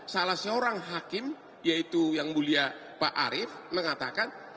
salah seorang hakim yaitu yang mulia pak arief mengatakan